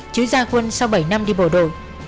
chứ ra quân sau bảy năm đi bộ đội